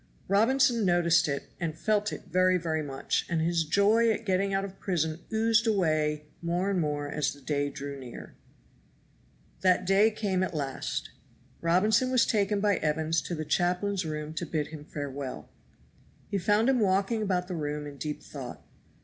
Robinson noticed it and felt it very, very much, and his joy at getting out of prison oozed away more and more as the day drew near. That day came at last. Robinson was taken by Evans to the chaplain's room to bid him farewell. He found him walking about the room in deep thought.